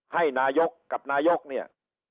ให้นายกกับนายกเนี่ย